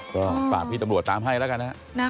ก็ฝากพี่ตำรวจตามให้แล้วกันนะฮะ